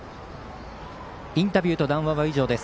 インタビューと談話は以上です。